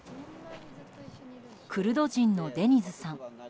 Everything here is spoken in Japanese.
クルド人のデニズさん。